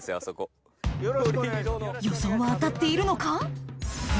予想は当たっているのか？